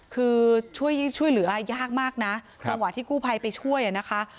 คือช่วยเหลือยากมากนะจังหวะที่กู้ภัยไปช่วยนะคะ